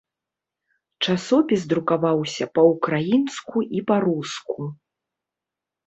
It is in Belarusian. Часопіс друкаваўся па-ўкраінску і па-руску.